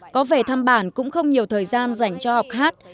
có về thăm bản cũng không nhiều thời gian dành cho học hát